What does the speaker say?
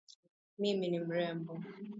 Mimi ni mrembo